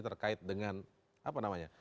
terkait dengan apa namanya